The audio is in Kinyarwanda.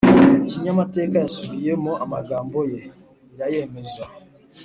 kinyamateka yasubiyemo amagambo ye, irayemeza,